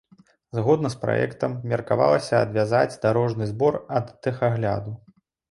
Згодна з праектам, меркавалася адвязаць дарожны збор ад тэхагляду.